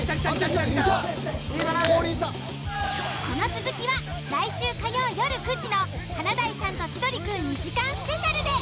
［この続きは来週火曜夜９時の『華大さんと千鳥くん』２時間スペシャルで］